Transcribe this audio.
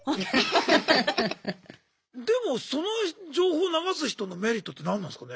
でもその情報を流す人のメリットって何なんすかね？